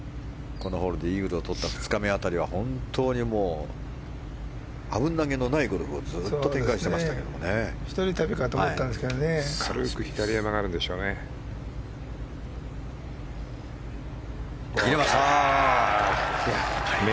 このホールでイーグルを取った２日目辺りは本当に危なげのないゴルフをずっと続けていましたからね。